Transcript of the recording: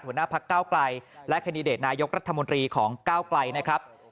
หัวหน้าพักเก้าไกลและแคนดิเดตนายกรัฐมนตรีของก้าวไกลนะครับ